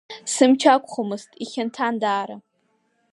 Сымч ақәхомызт, ихьанҭан даара.